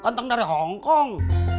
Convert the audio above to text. ganteng dari hongkong